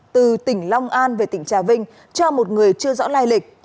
từ tỉnh long an về tỉnh trà vinh cho một người chưa rõ lai lịch